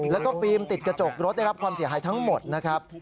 แล้วก็ฟิล์มติดกระจกรถได้รับความเสียหายทั้งหมดนะครับ